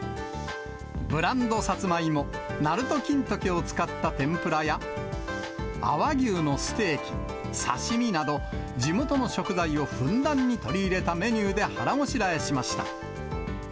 ブランドさつまいも、鳴門金時を使った天ぷらや、阿波牛のステーキ、刺身など、地元の食材をふんだんに取り入れたメニューで腹ごしらえしました。